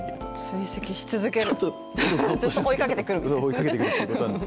追跡し続ける、ずっと追いかけてくると。